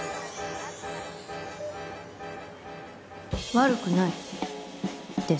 悪くないです。